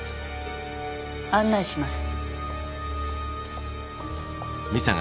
案内します